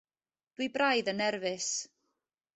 Dwi braidd yn nerfus.